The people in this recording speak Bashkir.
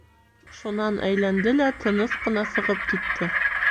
Шунан әйләнде лә, тыныс ҡына сығып китте.